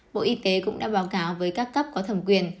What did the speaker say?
bộ y tế cũng đã báo cáo với các cấp có thẩm quyền